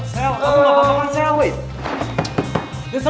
sel kamu ngapain sel